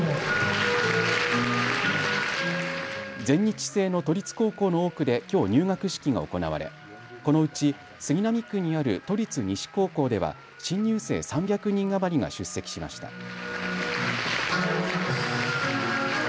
全日制の都立高校の多くできょう入学式が行われこのうち杉並区にある都立西高校では新入生３００人余りが出席しました。